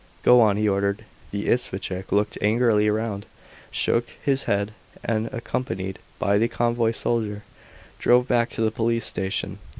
"Go on," he ordered. The isvostchik looked angrily round, shook his head, and, accompanied by the convoy soldier, drove back to the police station.